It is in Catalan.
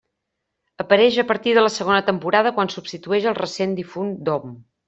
Apareix a partir de la segona temporada quan substitueix al recent difunt Dom.